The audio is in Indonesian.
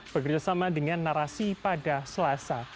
bekerjasama dengan narasi pada selasa